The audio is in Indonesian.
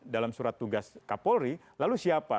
dalam surat tugas kapolri lalu siapa